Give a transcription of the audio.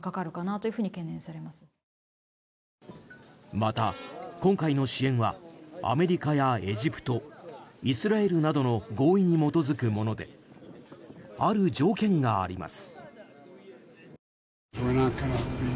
また、今回の支援はアメリカやエジプトイスラエルなどの合意に基づくものである条件があります。